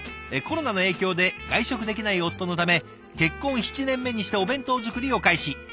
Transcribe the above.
「コロナの影響で外食できない夫のため結婚７年目にしてお弁当作りを開始。